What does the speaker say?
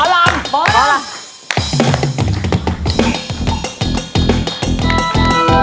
สามชา